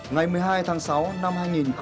ngày một mươi hai tháng sáu năm hai nghìn hai mươi